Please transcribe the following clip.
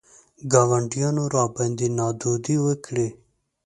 ګاونډیانو راباندې نادودې وکړې.